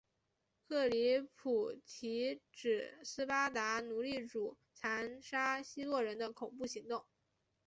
克里普提指斯巴达奴隶主残杀希洛人的恐怖行动。